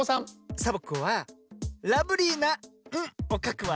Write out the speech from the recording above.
サボ子はラブリーな「ん」をかくわ。